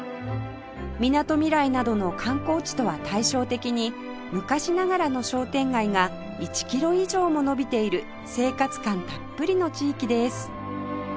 みなとみらいなどの観光地とは対照的に昔ながらの商店街が１キロ以上も延びている生活感たっぷりの地域です